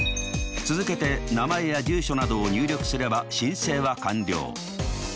続けて名前や住所などを入力すれば申請は完了。